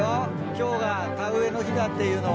今日が田植えの日だっていうのは。